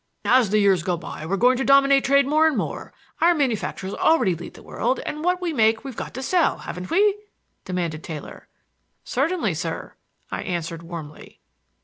"As the years go by we are going to dominate trade more and more. Our manufactures already lead the world, and what we make we've got to sell, haven't we?" demanded Taylor. "Certainly, sir," I answered warmly.